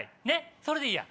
それでいいや。